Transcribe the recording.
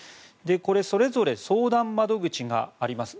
これ、それぞれ相談窓口があります。